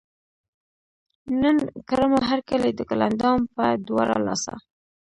نن کړمه هر کلے د ګل اندام پۀ دواړه لاسه